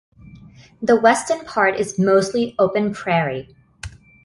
The western part is mostly open prairie.